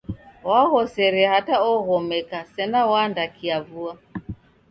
Waghosere hata oghomeka sena wandakiavua.